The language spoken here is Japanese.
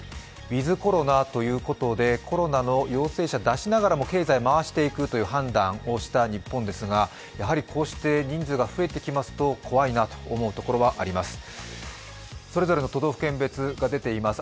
ウィズ・コロナということで、コロナの陽性者を出しながらも経済を回していくという判断をした日本ですが、やはりこうして人数が増えてきますと怖いなと思うところがあります。